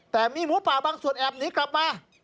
แต่มีหมูป่าบางส่วนแอบหนีกลับมา